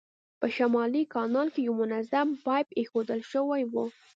په شمالي کانال کې یو منظم پایپ اېښودل شوی و.